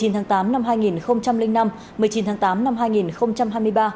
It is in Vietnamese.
một mươi tháng tám năm hai nghìn năm một mươi chín tháng tám năm hai nghìn hai mươi ba